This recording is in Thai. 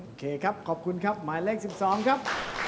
โอเคครับขอบคุณครับหมายเลข๑๒ครับ